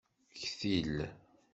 Ktil.